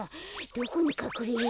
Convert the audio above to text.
どこにかくれよう。